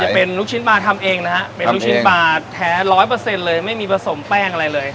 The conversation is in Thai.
จะเป็นลูกชิ้นปลาทำเองนะครับเป็นลูกชิ้นปลาแท้๑๐๐เลยไม่มีผสมแป้งอะไรเลย